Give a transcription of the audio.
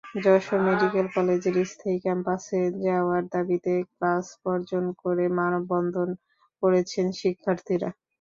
Jessore medical কলেজের স্থায়ী ক্যাম্পাসে যাওয়ার দাবিতে ক্লাস বর্জন করে মানববন্ধন করেছেন শিক্ষার্থীরা।